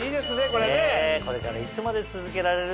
これからいつまで続けられるんでしょうね。